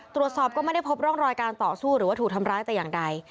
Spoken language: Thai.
ตรวจสอบก็ไม่ได้พบร่องรอยการต่อสู้หรือว่าถูกทำร้ายแต่อย่างใด